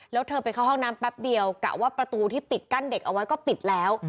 แล้วเธอไปเข้าห้องน้ำแป๊บเดียวกะว่าประตูที่ปิดกั้นเด็กเอาไว้ก็ปิดแล้ว